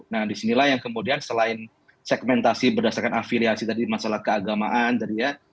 nah disinilah yang kemudian selain segmentasi berdasarkan afiliasi tadi masalah keagamaan tadi ya